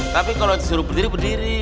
tapi kalau disuruh berdiri berdiri